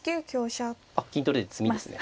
あっ金取れて詰みですね。